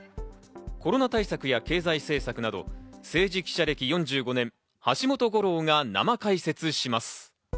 コロナ対策や経済政策など、政治記者歴４５年、橋本五郎が生解説します。